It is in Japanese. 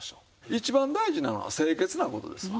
一番大事なのは清潔な事ですわ。